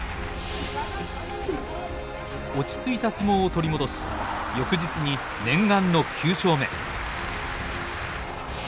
落ち着いた相撲を取り戻し翌日に念願の９勝目。